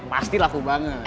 pasti laku banget